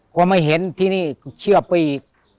พอไม่เห็นที่นี่เชื่อไปอีก